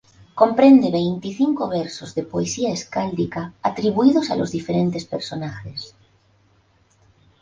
Comprende veinticinco versos de poesía escáldica atribuidos a los diferentes personajes.